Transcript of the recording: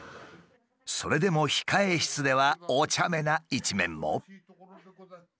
それでも控え室ではおちゃめな一面も。